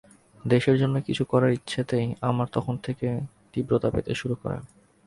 দেশের জন্য কিছু করার ইচ্ছেটা আমার তখন থেকেই তীব্রতা পেতে শুরু করে।